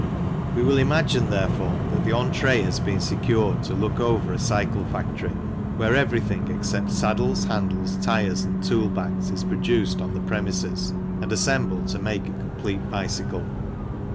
We will imagine, therefore, that the entree has been secured to look over a cycle factory where everything except saddles, handles, tyres, and toolbags, is produced on the premises and assembled to make a complete bicycle.